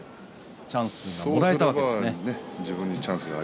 チャンスをもらえただけです。